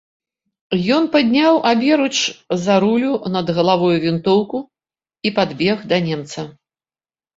Ён падняў аберуч за рулю над галавою вінтоўку і падбег да немца.